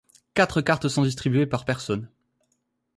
Quatre cartes sont distribuées par personne.